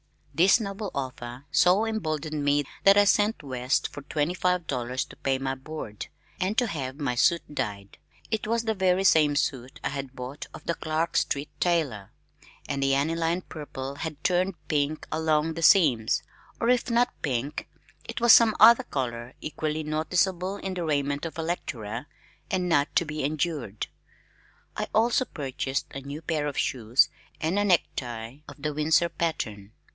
This noble offer so emboldened me that I sent west for twenty five dollars to pay my board, and to have my suit dyed. It was the very same suit I had bought of the Clark Street tailor, and the aniline purple had turned pink along the seams or if not pink it was some other color equally noticeable in the raiment of a lecturer, and not to be endured. I also purchased a new pair of shoes and a necktie of the Windsor pattern.